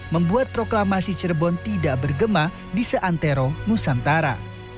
membuat proklamasi cirebon tidak bergema di seantero nusantara